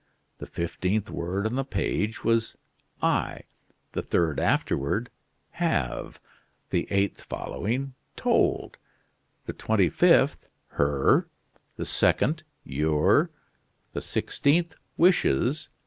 The fifteenth word on the page was 'I'; the third afterward, 'have'; the eighth following, 'told'; the twenty fifth, 'her'; the second, 'your'; the sixteenth, 'wishes.